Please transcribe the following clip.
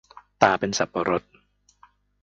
ตาเป็นสับปะรด